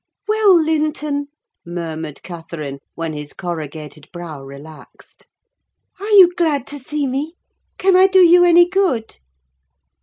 "Well, Linton," murmured Catherine, when his corrugated brow relaxed, "are you glad to see me? Can I do you any good?"